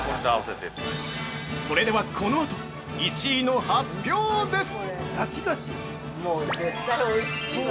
◆それでは、このあと、１位の発表です！